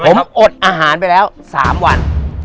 ผมอดอาหารไปแล้ว๓วัน